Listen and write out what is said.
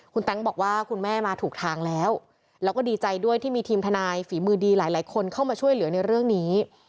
คุณแต๊งบอกว่าคุณแม่มาถูกทางแล้วแล้วก็ดีใจด้วยที่มีทีมทนายฝีมือดีหลายคนเข้ามาช่วยเหลือในเรื่องนี้